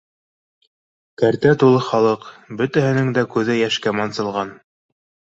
Кәртә тулы халыҡ, бөтәһенең дә күҙе йәшкә мансылған.